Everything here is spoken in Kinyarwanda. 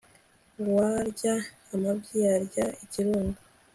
uwarya amabyi yarya ikirundo